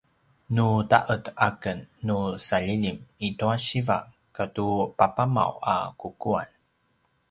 nu ta’ed aken nu salilim i tua siva katu papamaw a kukuan